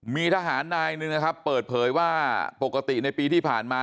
มีทหารนายหนึ่งนะครับเปิดเผยว่าปกติในปีที่ผ่านมา